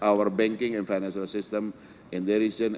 sistem bank dan keuangan kita di daerah ini